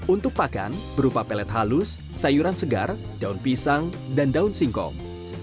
untuk pakan berupa pelet halus sayuran segar daun pisang dan daun singkong